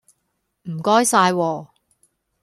唔該晒喎